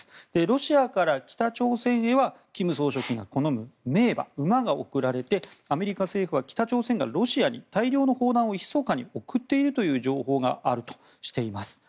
ロシアから北朝鮮へは金総書記が好む名馬、馬が贈られてアメリカ政府は北朝鮮がロシアに大量の砲弾をひそかに送っているという情報があるとしています。